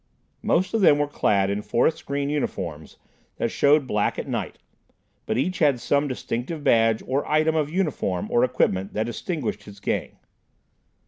Most of them were clad in forest green uniforms that showed black at night, but each had some distinctive badge or item of uniform or equipment that distinguished his Gang.